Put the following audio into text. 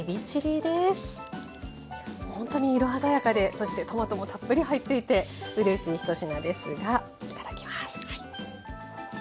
本当に色鮮やかでそしてトマトもたっぷり入っていてうれしい１品ですがいただきます。